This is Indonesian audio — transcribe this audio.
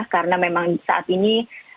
karena memang saat ini